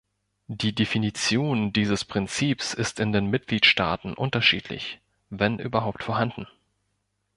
Die Definition dieses Prinzips ist in den Mitgliedstaaten unterschiedlich, wenn überhaupt vorhanden.